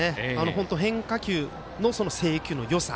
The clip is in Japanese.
本当に変化球の制球のよさ。